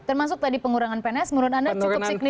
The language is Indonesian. termasuk tadi pengurangan pns menurut anda cukup signifikan